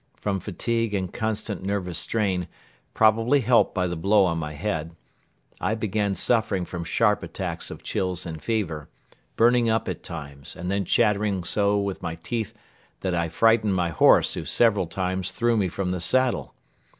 From fatigue and constant nervous strain, probably helped by the blow on my head, I began suffering from sharp attacks of chills and fever, burning up at times and then chattering so with my teeth that I frightened my horse who several times threw me from the saddle.